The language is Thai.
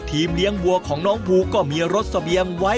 เลี้ยงวัวของน้องภูก็มีรถเสบียงไว้